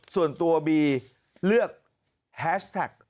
ส่วนตัวบีเลือกแฮชแท็ก